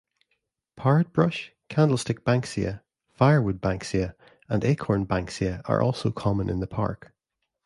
Parrotbush, candlestick banksia, firewood banksia and acorn banksia are also common in the park.